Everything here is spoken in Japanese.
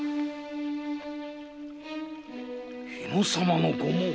日野様のご紋！